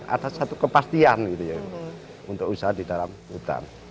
ada satu kepastian untuk usaha di dalam hutan